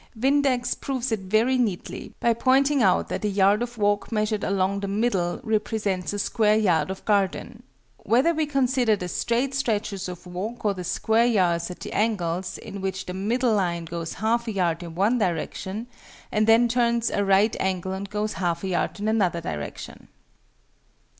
VINDEX proves it very neatly, by pointing out that a yard of walk measured along the middle represents a square yard of garden, "whether we consider the straight stretches of walk or the square yards at the angles, in which the middle line goes half a yard in one direction and then turns a right angle and goes half a yard in another direction."